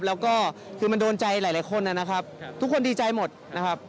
แล้วก็คือมันโดนใจหลายคนนะครับทุกคนดีใจหมดนะครับ